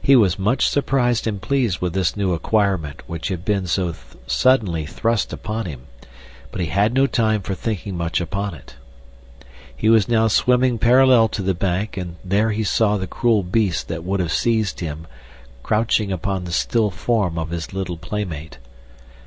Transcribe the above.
He was much surprised and pleased with this new acquirement which had been so suddenly thrust upon him, but he had no time for thinking much upon it. He was now swimming parallel to the bank and there he saw the cruel beast that would have seized him crouching upon the still form of his little playmate.